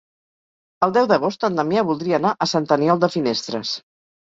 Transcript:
El deu d'agost en Damià voldria anar a Sant Aniol de Finestres.